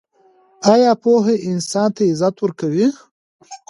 آیا پوهه انسان ته عزت ورکوي؟